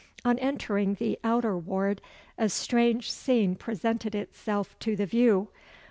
On entering the outer ward, a strange scene presented itself to the view.